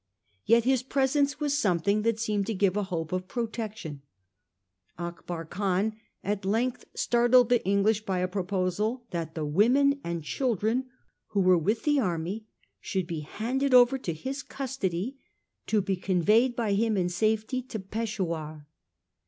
Yet his presence was something that seemed to give a hope of protection. Akbar Khan at length startled the English by a pro posal that the women and children who were with the army should be handed over to his custody to be con veyed by him in safety to Peshawur.